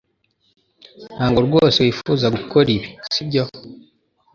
Ntabwo rwose wifuza gukora ibi sibyo